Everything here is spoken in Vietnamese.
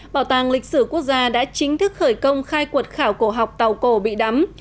bảo tàng lịch sử quốc gia đã chính thức khởi công khai quật khảo cổ học tàu cổ bị đắm